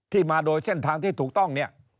ที่มาโดยเส้นทางที่ถูกต้อง